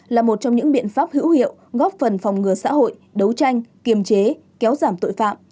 là một trong những biện pháp hữu hiệu góp phần phòng ngừa xã hội đấu tranh kiềm chế kéo giảm tội phạm